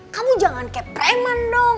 kamu jangan kayak preman dong